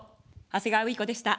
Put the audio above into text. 長谷川ういこでした。